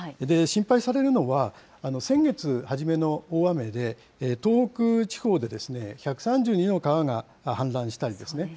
心配されるのは、先月初めの大雨で、東北地方で１３２の川が氾濫したんですね。